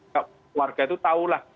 keluarga itu tahulah